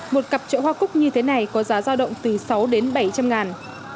một cặp chợ hoa cúc như thế này có giá giao động từ sáu đến bảy trăm linh ngàn